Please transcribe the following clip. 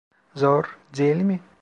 Zor, değil mi?